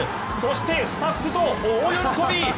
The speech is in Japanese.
そして、スタッフと大喜び！